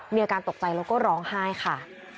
มีอาการตกใจแล้วก็ร้องไห้ค่ะ